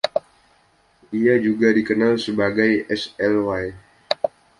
Ia juga dikenal sebagai Sly